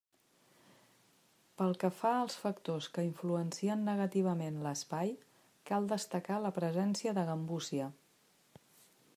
Pel que fa als factors que influencien negativament l'espai cal destacar la presència de gambúsia.